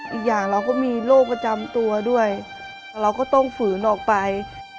อีกอย่างเราก็มีโรคประจำตัวด้วยเราก็ต้องฝืนออกไป